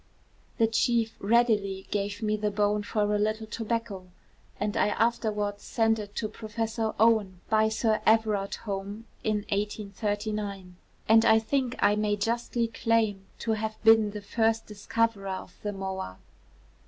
The chief readily gave me the bone for a little tobacco; and I afterwards sent it to Professor Owen by Sir Everard Home in 1839; and I think I may justly claim to have been the first discoverer of the moa.'